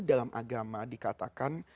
dalam agama dikatakan